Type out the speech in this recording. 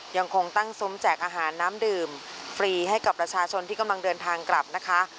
ยังคงตั้งซุ้มแจกอาหารน้ำดื่มฟรีให้กับประชาชนที่กำลังเดินทางกลับนะคะ